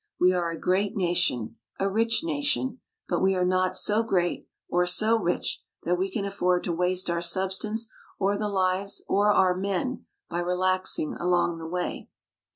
We are a great nation a rich nation but we are not so great or so rich that we can afford to waste our substance or the lives or our men by relaxing along the way.